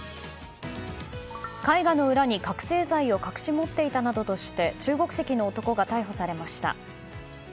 絵画の裏に覚醒剤を隠し持っていたなどとして中国籍の男が逮捕されました。